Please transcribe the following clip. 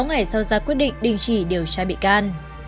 sáu ngày sau ra quyết định đình chỉ điều tra bị can